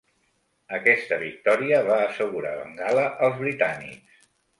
Aquesta victòria va assegurar Bengala als britànics.